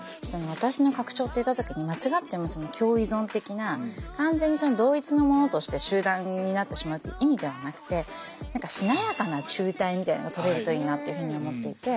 私の拡張って言った時に間違っても共依存的な完全に同一のものとして集団になってしまうという意味ではなくてしなやかな紐帯みたいなのが取れるといいなっていうふうに思っていて。